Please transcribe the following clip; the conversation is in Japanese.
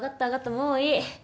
もういい。